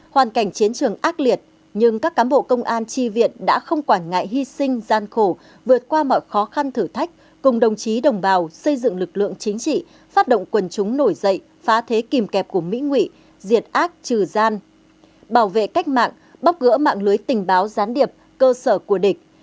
hoàn cảnh chiến trường ác liệt nhưng các cán bộ công an tri viện đã không quản ngại hy sinh gian khổ vượt qua mọi khó khăn thử thách cùng đồng chí đồng bào xây dựng lực lượng chính trị phát động quần chúng nổi dậy phá thế kìm kẹp của mỹ nguy diệt ác trừ gian bảo vệ cách mạng bóc gỡ mạng lưới tình báo gián điệp cơ sở của địch